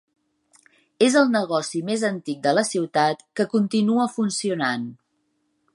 És el negoci més antic de la ciutat que continua funcionant.